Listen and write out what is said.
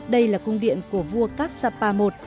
đây là công điện của vua kapsapa i